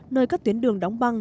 nơi các tuyến đường đóng băng